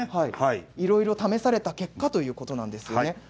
いろいろ試された結果ということなんですね。